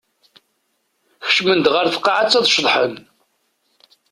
Kecmen-d ɣer tqaɛett ad ceḍḥen.